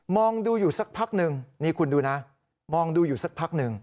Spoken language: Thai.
ดูอยู่สักพักหนึ่งนี่คุณดูนะมองดูอยู่สักพักหนึ่ง